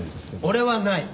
俺はない！